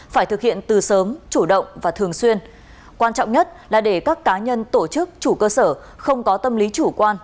phải thực hiện từ sớm chủ động và thường xuyên quan trọng nhất là để các cá nhân tổ chức chủ cơ sở không có tâm lý chủ quan